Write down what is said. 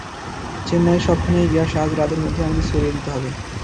চেন্নাইয়ের সবখানে এই গ্যাস আজ রাতের মধ্যেই আমাদের ছড়িয়ে দিতে হবে।